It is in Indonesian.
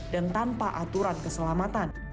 dan tanpa aturan keselamatan